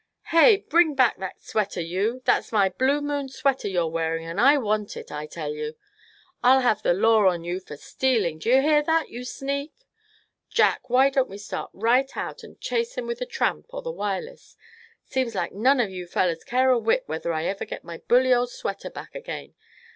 "Hey, bring back that sweater, you! That's my blue moon sweater you're wearing, and I want it, I tell you! I'll have the law on you for stealing, d'ye hear that, you sneak? Jack, why don't we start right out, and chase 'em with the Tramp or the Wireless? Seems like none of you fellers care a whit whether I ever get my bully old sweater back again.